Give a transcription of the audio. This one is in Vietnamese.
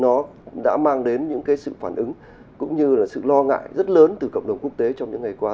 nó đã mang đến những cái sự phản ứng cũng như là sự lo ngại rất lớn từ cộng đồng quốc tế trong những ngày qua